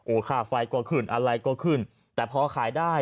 ค่าไฟก็ขึ้นอะไรก็ขึ้นแต่พอขายได้